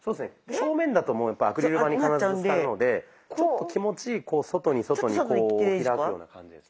正面だともうアクリル板に必ずぶつかるのでちょっと気持ち外に外にこう開くような感じですね。